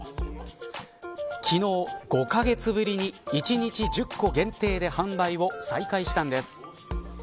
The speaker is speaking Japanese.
昨日５カ月ぶりに１日１０個限定で販売を再開したんです。